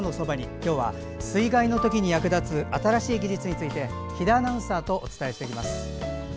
今日は水害のときに役立つ新しい技術について比田アナウンサーとお伝えします。